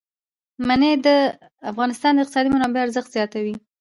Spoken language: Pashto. منی د افغانستان د اقتصادي منابعو ارزښت زیاتوي.